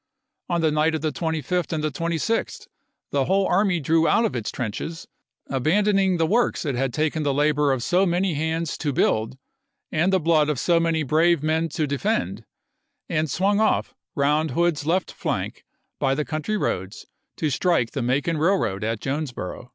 On the night of the 25th and the 26th p. 104." the whole army drew out of its trenches, abandon ing the works it had taken the labor of so many hands to build, and the blood of so many brave men to defend, and swung off round Hood's left flank, by the country roads, to strike the Macon railroad at Jonesboro.